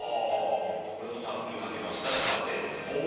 これもたっぷりかけましたら完成でございます。